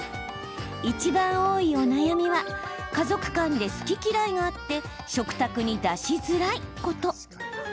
いちばん多いお悩みは家族間で好き嫌いがあって食卓に出しづらいこと。